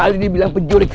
aladin bilang penculik